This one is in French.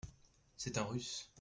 C’est un Russe !